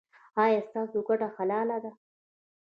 ایا ستاسو ګټه حلاله ده؟